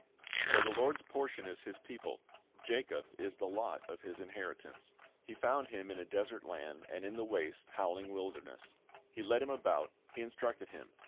"For the Lord's portion is His people; Jacob is the lot of His inheritance. He found him in a desert land, and in the waste, howling wilderness; He led him about, He instructed him.